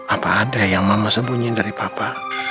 apa ada yang mama sembunyiin dari papa